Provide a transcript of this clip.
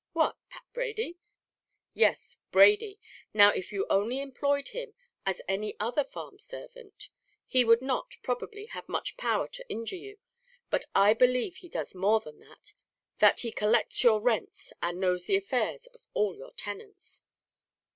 "What! Pat Brady?" "Yes, Brady! Now if you only employed him as any other farm servant, he would not, probably, have much power to injure you; but I believe he does more than that that he collects your rents, and knows the affairs of all your tenants."